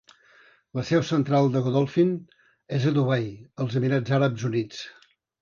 La seu central de Godolphin és a Dubai, als Emirats Àrabs Units.